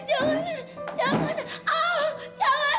jangan jangan jangan jangan